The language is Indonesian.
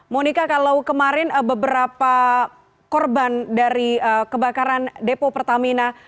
monika kalau kemarin beberapa korban dari kebakaran depo pertamina